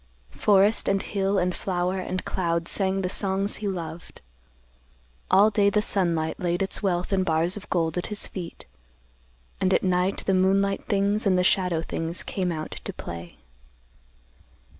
Forest and hill and flower and cloud sang the songs he loved. All day the sunlight laid its wealth in bars of gold at his feet, and at night the moonlight things and the shadow things came out to play.